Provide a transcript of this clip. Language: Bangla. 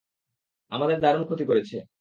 আমাদের দারুণ ক্ষতি করেছে।